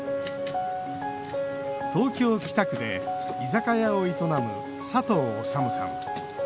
東京・北区で居酒屋を営む佐藤修さん。